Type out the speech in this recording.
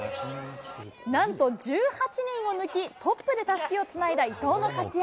なんと１８人を抜き、トップでたすきをつないだ伊藤の活躍。